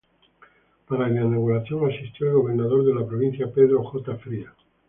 Para la inauguración asistió el Gobernador de la Provincia, Pedro J. Frías.